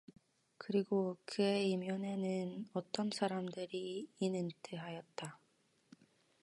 그리고 그의 이면에는 어떤 사람들이 있는듯 하였다.